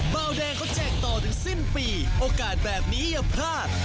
เบาแดงเขาแจกต่อถึงสิ้นปีโอกาสแบบนี้อย่าพลาด